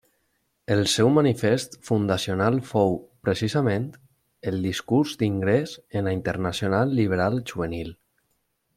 El seu manifest fundacional fou, precisament, el discurs d'ingrés en la Internacional Liberal Juvenil.